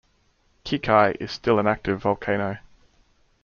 Kikai is still an active volcano.